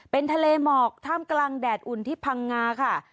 เป็นทะเลหมอกท่ามกลางแดดอุ่นที่พังงาค่ะ